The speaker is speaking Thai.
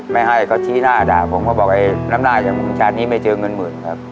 มันก็บอกน้ำล้าชะมุมชาวนี้ไม่เจอเงินหมื่นครับ